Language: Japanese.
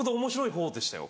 「方でしたよ」